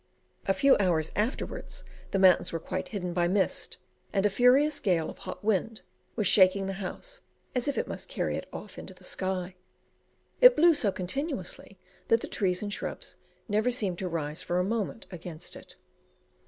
A few hours afterwards the mountains were quite hidden by mist, and a furious gale of hot wind was shaking the house as if it must carry it off into the sky; it blew so continuously that the trees and shrubs never seemed to rise for a moment against it.